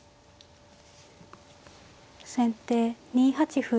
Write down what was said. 先手２八歩。